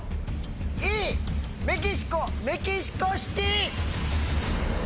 Ｅメキシコメキシコシティ。